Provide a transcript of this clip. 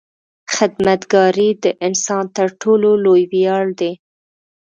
• خدمتګاري د انسان تر ټولو لوی ویاړ دی.